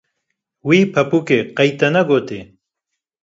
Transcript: Wî pepûkê qeyî te ne gotê